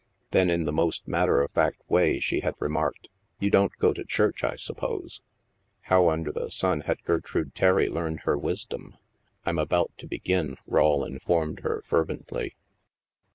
Then, in the most matter of fact way, she had remarked, " You don't go to church,* I suppose ?" Row tmder the sun had Gertrude Terry learned her wisdom ?" I'm about to begin," Rawle informed her fer vently.